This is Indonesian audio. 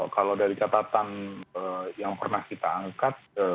kalau dari catatan yang pernah kita angkat